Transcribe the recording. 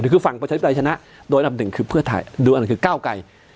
คือฝั่งประชาธิปไตยชนะโดยอันดับหนึ่งคือเพื่อไทยดูอันคือก้าวไกร